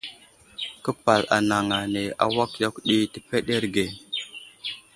Képal anaŋ ane awak yakw ɗi təpəɗerge.